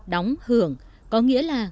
đóng hưởng có nghĩa là